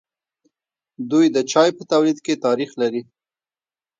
دوی د چای په تولید کې تاریخ لري.